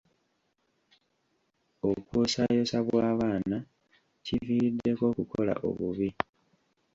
Okwosaayosa bw'abaana kiviiriddeko okukola obubi.